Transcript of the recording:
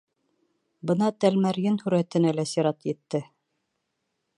Бына Тәлмәрйен һүрәтенә лә сират етте.